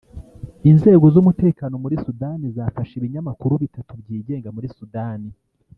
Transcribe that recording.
Inzego z’umutekano muri Sudani zafashe ibinyamakuru bitatu byigenga muri Sudani